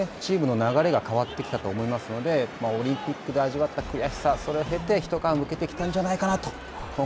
今回の２試合で久保選手が入ることによって非常にチームの流れが変わってきたと思いますのでオリンピックで味わった悔しさそれを経て一皮むけてきたんじゃないかなと。